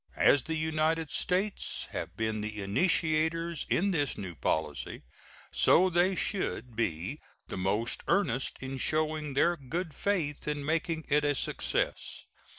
As the United States have been the initiators in this new policy, so they should be the most earnest in showing their good faith in making it a success.